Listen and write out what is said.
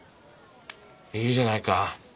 いいじゃないか。